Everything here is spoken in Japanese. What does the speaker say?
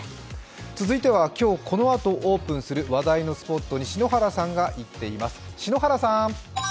続いては今日このあとオープンする話題のスポットに篠原さんが行っています。